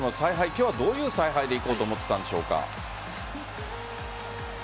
今日はどういう采配でいこうと思ってたんでしょうか。